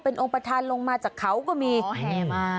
องค์ประธานลงมาจากเขาก็มีแห่มา